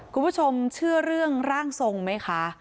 คุณผู้ชมเชื่อเรื่องร่างทรงไหมคะ